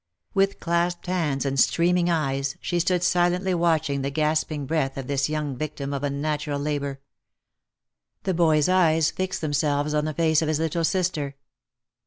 With clasped hands, and streaming eyes, she stood silently watch ing the gasping breath of this young victim of unnatural labour. The boy's eyes fixed themselves on the face of his little sister.